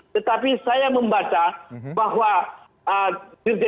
tetapi saya membaca bahwa dirjen kita telah diganti saya tidak begitu kenal